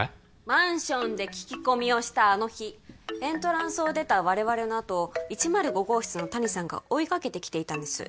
マンションで聞き込みをしたあの日エントランスを出た我々のあとを１０５号室の谷さんが追いかけてきていたんです